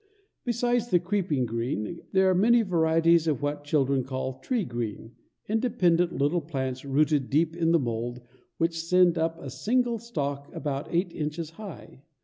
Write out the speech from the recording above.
Besides the creeping green, there are many varieties of what children call "tree green," independent little plants rooted deep in the mould, which send up a single stalk about eight inches high.